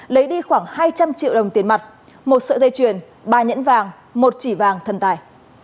lấy đi khoảng hai trăm linh triệu đồng tiền mặt một sợi dây chuyền ba nhẫn vàng một chỉ vàng thần tài